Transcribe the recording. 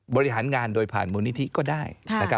บริหารงานโดยผ่านมูลนิธิก็ได้